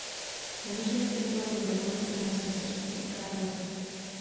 Nemůžeme těmto lidem dovolit, aby nás beztrestně okrádali.